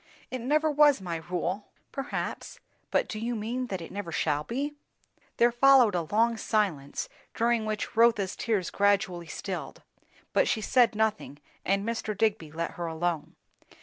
"It never was my rule." "Perhaps. But do you mean that it never shall be?" There followed a long silence, during which Rotha's tears gradually stilled; but she said nothing, and Mr. Digby let her alone.